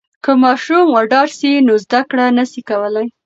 که ماشوم وډار سي نو زده کړه نسي کولای.